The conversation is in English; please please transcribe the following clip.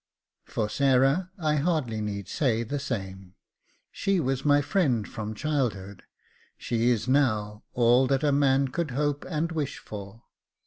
For Sarah I hardly need say the same ; she was my friend from childhood, she is now all that a man could hope and wish for.